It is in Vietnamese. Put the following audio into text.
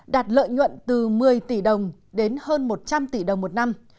đạt lợi nhuận từ một mươi tỷ đồng đến hơn một trăm linh tỷ đồng một năm